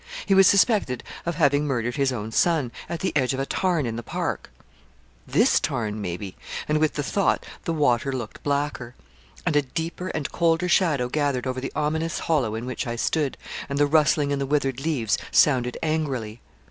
He was suspected of having murdered his own son, at the edge of a tarn in the park. This tarn maybe and with the thought the water looked blacker and a deeper and colder shadow gathered over the ominous hollow in which I stood, and the rustling in the withered leaves sounded angrily.